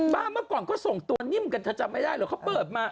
เมื่อก่อนเขาส่งตัวนิ่มกันเธอจำไม่ได้เหรอเขาเปิดมา